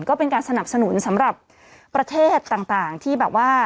ก็เป็นการสนับสนุนสำหรับประเทศต่างที่แบบว่า